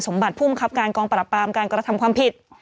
สมบัติภูมิคับการกองประปามการกระทำความผิด